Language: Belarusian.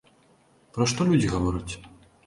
Пра што людзі гавораць?